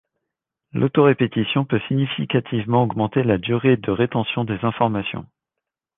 L'autorépétition peut significativement augmenter la durée de rétention des informations.